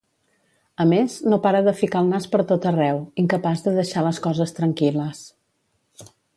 A més, no para de ficar el nas per tot arreu, incapaç de deixar les coses tranquil·les.